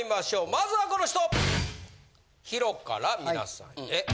まずはこの人！